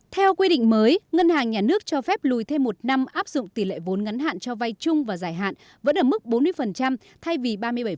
theo quy định mới ngân hàng nhà nước cho phép lùi thêm một năm áp dụng tỷ lệ vốn ngắn hạn cho vay chung và giải hạn vẫn ở mức bốn mươi thay vì ba mươi bảy